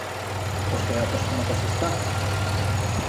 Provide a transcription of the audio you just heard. Pos quedar-tos como tos estaz.